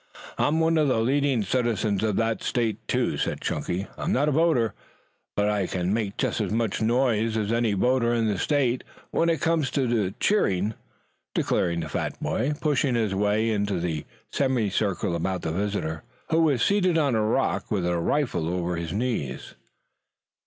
"I'm one of the leading citizens of that state, too. I'm not a voter, but I can make just as much noise as any voter in the state when it comes to the cheering," declared the fat boy, pushing his way into the semicircle about the visitor, who was seated on a rock with his rifle over his knees.